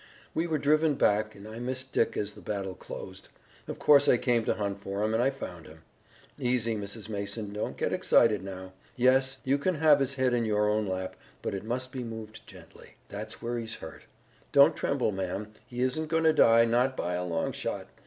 We were driven back and I missed Dick as the battle closed. Of course I came to hunt for him, and I found him. Easy, Mrs. Mason, don't get excited now. Yes, you can have his head in your own lap, but it must be moved gently. That's where he's hurt. Don't tremble, ma'am. He isn't going to die, not by a long shot.